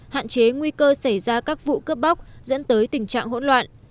hạn chế nguy cơ xảy ra các vụ cướp bóc dẫn tới tình trạng hỗn loạn